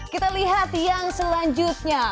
kita lihat yang selanjutnya